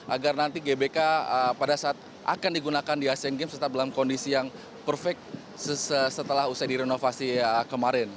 agar nanti gbk pada saat akan digunakan di asean games tetap dalam kondisi yang perfect setelah usai direnovasi kemarin